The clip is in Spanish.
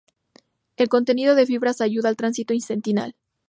El contenido en fibras ayuda al transito intestinal.